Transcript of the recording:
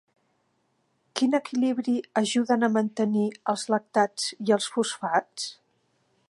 Quin equilibri ajuden a mantenir els lactats i els fosfats?